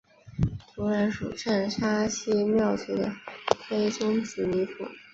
土壤属上沙溪庙组的灰棕紫泥土。